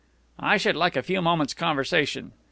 "I should like a few moments' conversation."